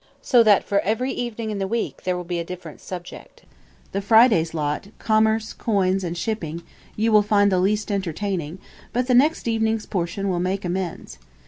So that for every evening in the week there will be a different subject. The Friday's lot Commerce, Coins, and Shipping you will find the least entertaining; but the next evening's portion will make amends.